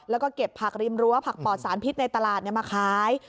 แล้วก็เก็บผักริมรั้วผักปอดสารพิษในตลาดมาขาย